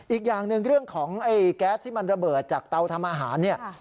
อีกอย่างหนึ่งเรื่องของไอ้แก๊สที่มันระเบิดจากเตาทำอาหารเนี่ย